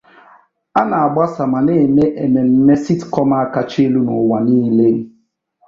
A na-agbasa ma na-eme ememme sitcom a kacha elu n'ụwa niile.